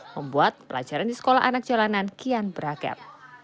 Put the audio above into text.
membuat pelajaran di sekolah anak jalanan kian beragam